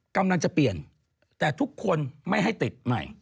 กำลังจะเปลี่ยนแต่ทุกคนไม่ให้ติดใหม่